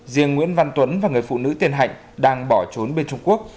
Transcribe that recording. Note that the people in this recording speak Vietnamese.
riêng nguyễn văn tuấn và người phụ nữ tên hạnh đang bỏ trốn bên trung quốc